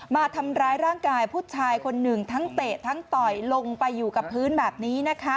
มาทำร้ายร่างกายผู้ชายคนหนึ่งทั้งเตะทั้งต่อยลงไปอยู่กับพื้นแบบนี้นะคะ